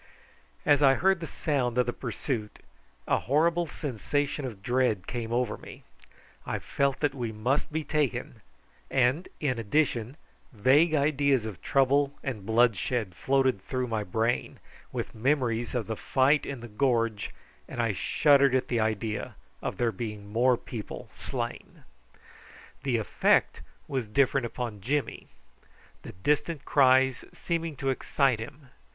As I heard the sound of the pursuit a horrible sensation of dread came over me. I felt that we must be taken, and, in addition, vague ideas of trouble and bloodshed floated through my brain, with memories of the fight in the gorge, and I shuddered at the idea of there being more people slain. The effect was different upon Jimmy, the distant cries seeming to excite him.